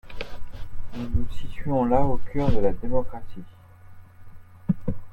Nous nous situons là au cœur de la démocratie.